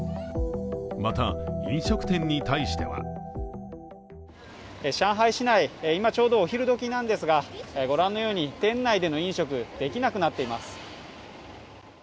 また、飲食店に対しては上海市内、今ちょうどお昼どきなんですが、御覧のように店内での飲食できなくなっています。